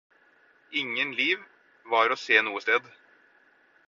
Ingen liv var å se noe sted.